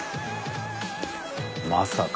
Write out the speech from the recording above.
まさか。